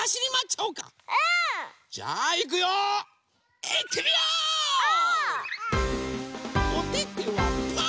おててはパー。